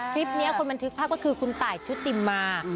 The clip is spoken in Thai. คลิปนี้คนบันทึกภาพก็คือคุณตายชุติมา